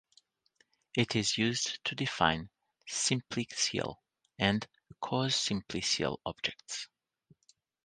It is used to define simplicial and cosimplicial objects.